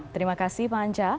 terima kasih pak